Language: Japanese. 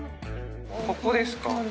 ここですか？